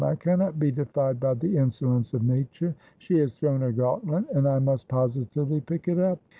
I cannot be defied by the insolence of Nature. She has thrown her gauntlet, and I must positively pick it up.